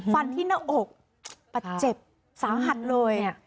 ฟันที่หน้าอกปัดเจ็บสาหัสเลย